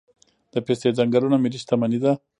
د پستې ځنګلونه ملي شتمني ده؟